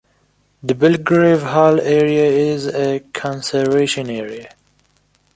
The Belgrave Hall area is a conservation area.